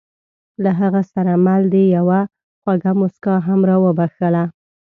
له هغه سره مل دې یوه خوږه موسکا هم را وبښله.